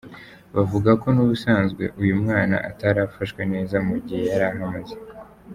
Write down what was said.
Bavuga ko n’ubusanzwe uyu mwana atari afashwe neza mu gihe yari ahamaze.